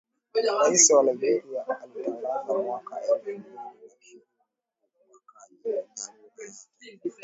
Rais wa Liberia alitangaza mwaka elfu mbili na ishirini ubakaji ni dharura ya kitaifa